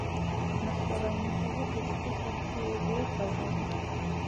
მასალა ინახება დუშეთის არქეოლოგიურ ბაზაზე.